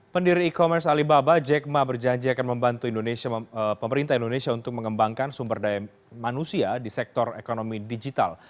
pendiri e commerce alibaba jack ma berjanji akan membantu pemerintah indonesia untuk mengembangkan sumber daya manusia di sektor ekonomi digital